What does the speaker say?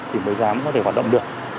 thì mới dám có thể hoạt động được